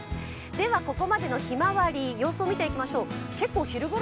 ではここまでの「ひまわり」様子を見ていきましょう。